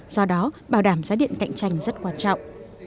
do đó bảo đảm giá điện cạnh tranh rất quan trọng